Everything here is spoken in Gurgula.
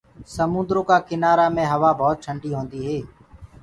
سموندرو ڪآ ڪِنآرآ مي هوآ ڀوت ٽنڊي آندي هي۔